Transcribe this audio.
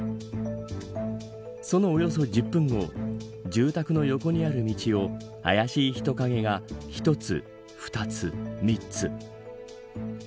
その、およそ１０分後住宅の横にある道をあやしい人影が１つ、２つ、３つ。